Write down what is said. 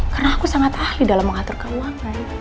karena aku sangat ahli dalam mengaturkan uang